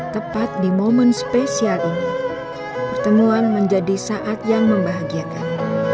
tepat di momen spesial ini pertemuan menjadi saat yang membahagiakan